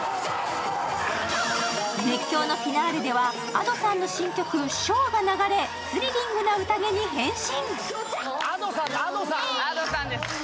熱狂のフィナーレではＡｄｏさんの新曲「唱」が流れ、スリリングな宴に変身。